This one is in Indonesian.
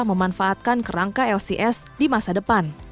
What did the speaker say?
memanfaatkan kerangka lcs di masa depan